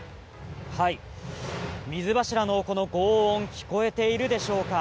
水柱のこの轟音聞こえているでしょうか。